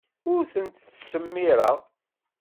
Ur tent-ttsemmiṛeɣ.